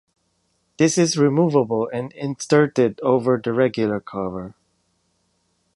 This is removable and inserted over the regular cover.